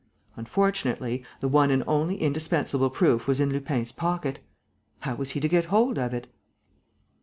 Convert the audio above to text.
Unfortunately, the one and only indispensable proof was in Lupin's pocket. How was he to get hold of it?